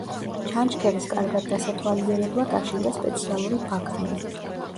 ჩანჩქერის კარგად დასათვალიერებლად აშენდა სპეციალური ბაქანი.